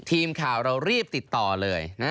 ทีมข่าวเรารีบติดต่อเลย